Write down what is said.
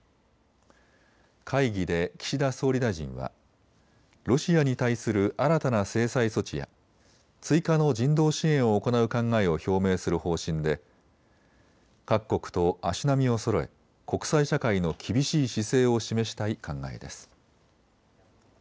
会議で岸田総理大臣はロシアに対する新たな制裁措置や追加の人道支援を行う考えを表明する方針で各国と足並みをそろえ国際社会の厳しい姿勢を示したい考えです。